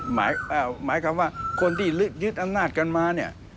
หมายความว่าคนที่ลึกยึดอำนาจกันมา